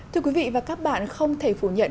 thưa quý vị và các bạn không thể phủ nhận